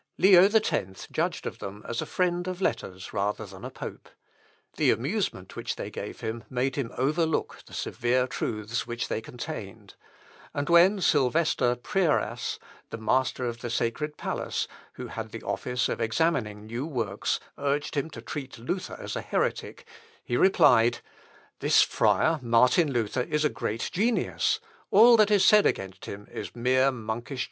Leo X judged of them as a friend of letters, rather than a pope. The amusement which they gave him made him overlook the severe truths which they contained; and when Sylvester Prierias, the master of the sacred palace, who had the office of examining new works, urged him to treat Luther as a heretic, he replied, "This Friar, Martin Luther, is a great genius; all that is said against him is mere monkish jealousy."